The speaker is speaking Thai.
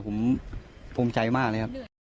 ผมภูมิใจมากเลยครับ